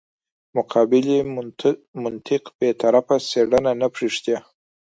مقابلې منطق بې طرفه څېړنه نه پرېږدي.